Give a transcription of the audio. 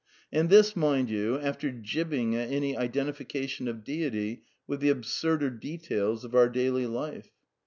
And this, mind you, after jibbing at any identi fication of deity with the absurder details of our daily life.